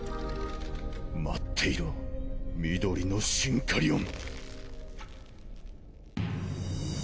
待っていろ緑のシンカリオン。